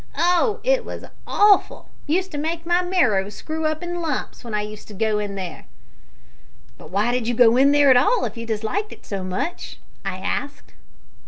Oh, it was awful! Used to make my marrow screw up into lumps w'en I was used to go there." "But why did you go there at all if you disliked it so much?" I asked.